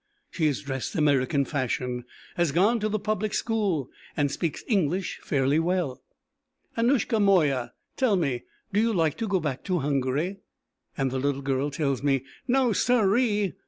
She is dressed "American fashion," has gone to the public school and speaks English fairly well. "Anushka moya, tell me, do you like to go back to Hungary?" and the little girl tells me: "No, siree.